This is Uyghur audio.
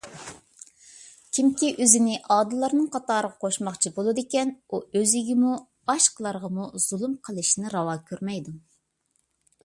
كىمكى ئۆزىنى ئادىللارنىڭ قاتارىغا قوشماقچى بولىدىكەن، ئۇ ئۆزىگىمۇ، باشقىلارغىمۇ زۇلۇم قىلىشنى راۋا كۆرمەيدۇ.